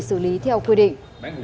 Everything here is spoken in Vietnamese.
xử lý theo quyết định